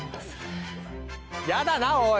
やだなおい